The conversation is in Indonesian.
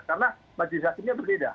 karena majelis hakimnya berbeda